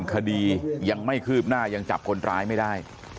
คดียังไม่คืบหน้ายังจับคนร้ายไม่ได้